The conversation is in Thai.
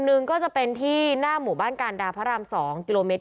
หนึ่งก็จะเป็นที่หน้าหมู่บ้านการดาพระราม๒กิโลเมตร